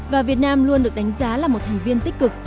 và việt nam luôn được đánh giá là một thành viên tích cực